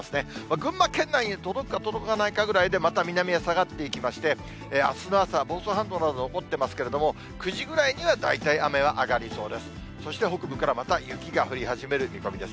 群馬県内に届くか届かないかぐらいでまた南へ下がっていきまして、あすの朝、房総半島などに残ってますけれども、９時ぐらいには大体雨は上がりそうです。